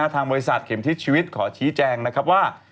ทางบริษัทเข็มทิศชีวิตขอชี้แจงนะครับว่า